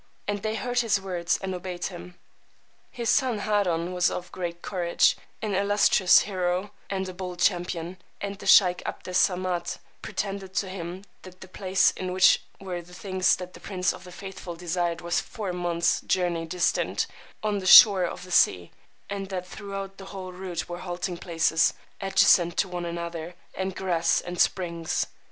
And they heard his words, and obeyed him. His son Hároon was of great courage, an illustrious hero, and a bold champion; and the sheykh 'Abd Es Samad pretended to him that the place in which were the things that the Prince of the Faithful desired was four months' journey distant, on the shore of the sea, and that throughout the whole route were halting places, adjacent one to another, and grass and springs.